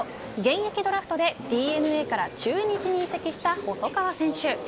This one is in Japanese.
現役ドラフトでＤｅＮＡから中日に移籍した細川選手。